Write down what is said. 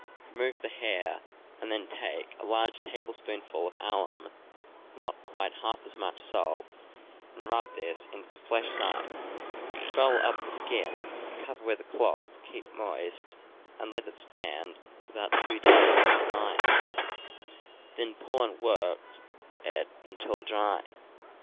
Remove the hair, and then take a large tablespoonful of alum, and not quite half as much salt, and rub this into the flesh side. Roll up the skin, cover with a cloth to keep moist, and let it stand about two days and a night. Then pull and work it until dry.